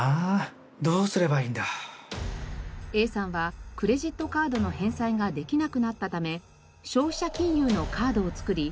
Ａさんはクレジットカードの返済ができなくなったため消費者金融のカードを作り